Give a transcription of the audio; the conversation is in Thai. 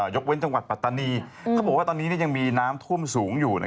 ยกเว้นจังหวัดปัตตานีเขาบอกว่าตอนนี้ยังมีน้ำท่วมสูงอยู่